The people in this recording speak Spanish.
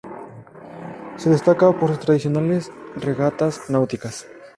Se destaca por sus tradicionales regatas Náuticas.